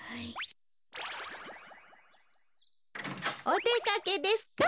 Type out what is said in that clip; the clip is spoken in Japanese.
おでかけですか？